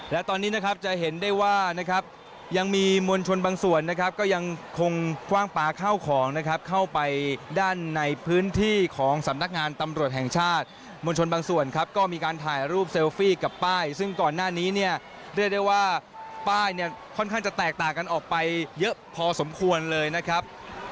และตอนนี้นะครับจะเห็นได้ว่านะครับยังมีมวลชนบางส่วนนะครับก็ยังคงคว่างปลาเข้าของนะครับเข้าไปด้านในพื้นที่ของสำนักงานตำรวจแห่งชาติมวลชนบางส่วนครับก็มีการถ่ายรูปเซลฟี่กับป้ายซึ่งก่อนหน้านี้เนี่ยเรียกได้ว่าป้ายเนี่ยค่อนข้างจะแตกต่างกันออกไปเยอะพอสมควรเลยนะครับ